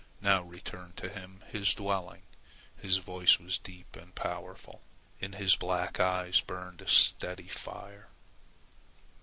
Now return to him his dwelling." His voice was deep and powerful. In his black eyes burned a steady fire.